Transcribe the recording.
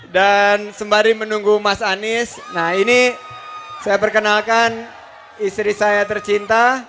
dan sembari menunggu mas anies nah ini saya perkenalkan istri saya tercinta